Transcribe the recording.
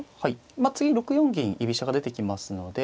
まあ次６四銀居飛車が出てきますので